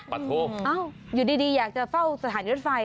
ปัดโทษอ้าวอยู่ดีอยากจะเฝ้าสถานีรถไฟ